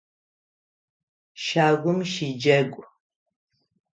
Щагум щыджэгу!